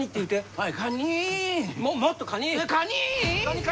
はい。